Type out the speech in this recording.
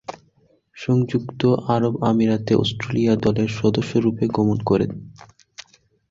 সংযুক্ত আরব আমিরাতে অস্ট্রেলিয়া দলের সদস্যরূপে গমন করেন।